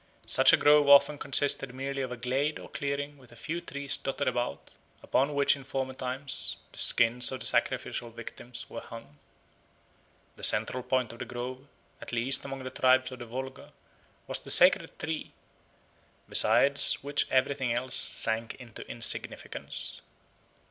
Such a grove often consisted merely of a glade or clearing with a few trees dotted about, upon which in former times the skins of the sacrificial victims were hung. The central point of the grove, at least among the tribes of the Volga, was the sacred tree, beside which everything else sank into insignificance.